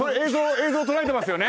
映像捉えてますよね？